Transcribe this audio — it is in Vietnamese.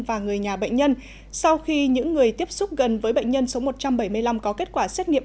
và người nhà bệnh nhân sau khi những người tiếp xúc gần với bệnh nhân số một trăm bảy mươi năm có kết quả xét nghiệm